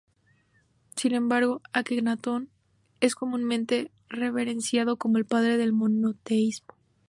Sin embargo, Akenatón es comúnmente reverenciado como el padre del monoteísmo.